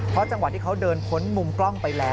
เพราะจังหวะที่เขาเดินพ้นมุมกล้องไปแล้ว